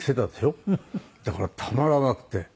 だからたまらなくて。